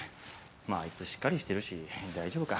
まああいつしっかりしてるし大丈夫か。